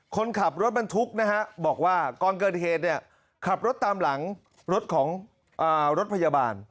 คนขับรถบรรทุกนะฮะบอกว่าก่อนเกิดเหตุเนี่ยขับรถตามหลังรถของรถพยาบาล